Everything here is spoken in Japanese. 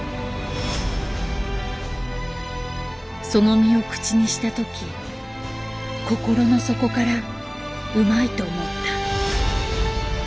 その身を口にしたとき心の底からうまいと思った。